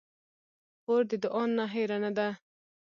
خور د دعا نه هېره نه ده.